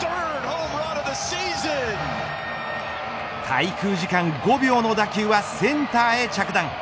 滞空時間５秒の打球はセンターへ着弾。